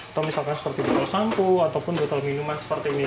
atau misalkan seperti botol sampo ataupun botol minuman seperti ini